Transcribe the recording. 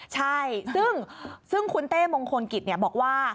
ใช่ซึ่งคุณเต้มงคลกิจบอกว่า